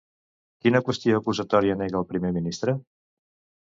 Quina qüestió acusatòria nega el primer ministre?